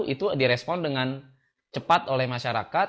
itu direspon dengan cepat oleh masyarakat